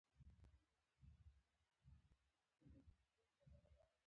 بس که! په دې تکراري نغمه دې غوږونه راوخوړل.